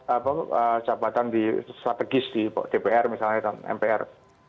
itu jabatan strategis di dpr misalnya dan mpr